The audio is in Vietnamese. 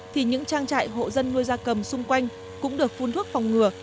thì những trang trại hộ dân nuôi gia cầm xung quanh cũng được phun thuốc phòng ngừa